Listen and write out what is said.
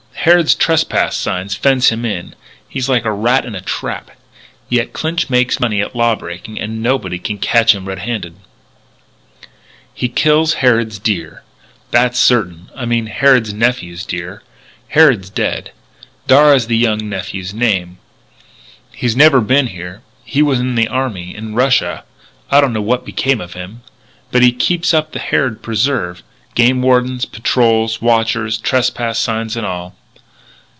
Harrod's trespass signs fence him in. He's like a rat in a trap. Yet Clinch makes money at law breaking and nobody can catch him red handed. "He kills Harrod's deer. That's certain. I mean Harrod's nephew's deer. Harrod's dead. Darragh's the young nephew's name. He's never been here he was in the army in Russia I don't know what became of him but he keeps up the Harrod preserve game wardens, patrols, watchers, trespass signs and all."